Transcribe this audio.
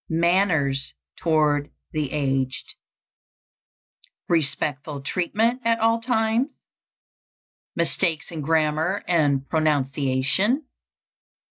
MANNERS TOWARD THE AGED. Respectful treatment at all times. _Mistakes in grammar and pronunciation.